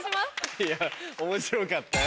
いや面白かったよ。